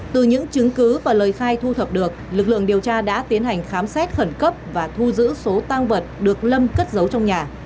từ những chứng cứ và lời khai thu thập được lực lượng điều tra đã tiến hành khám xét khẩn cấp và thu giữ số tăng vật được lâm cất giấu trong nhà